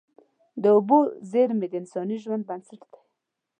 د اوبو زیرمې د انساني ژوند بنسټ دي.